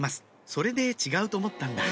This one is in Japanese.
それで違うと思ったんだ